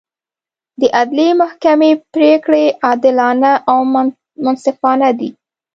د عدلي محکمې پرېکړې عادلانه او منصفانه دي.